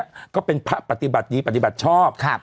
ก็เป็นพระปฏิบัติดีปฏิบัติชอบ